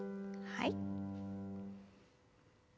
はい。